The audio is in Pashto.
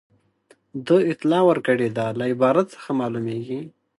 د اطلاع ورکړې ده له عبارت څخه معلومیږي.